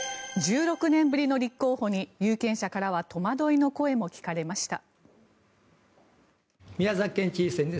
１６年ぶりの立候補に有権者からは戸惑いの声も聞かれました。